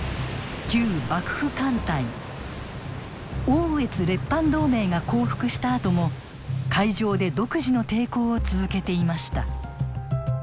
奥羽越列藩同盟が降伏したあとも海上で独自の抵抗を続けていました。